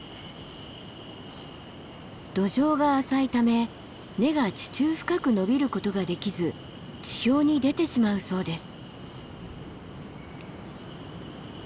土壌が浅いため根が地中深く伸びることができず地表に出てしまうそうです。